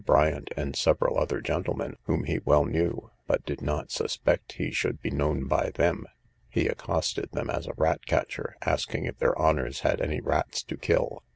Bryant, and several other gentlemen whom he well knew, but did not suspect he should be known by them, he accosted them as a rat catcher, asking if their Honours had any rats to kill.